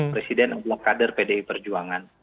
presiden adalah kader pdi perjuangan